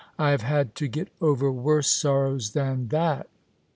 I have had to get over worse sorrows than that."